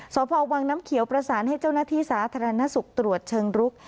สพวังน้ำเขียวประสานให้เจ้าหน้าที่สาธารณสุขตรวจเชิงรุก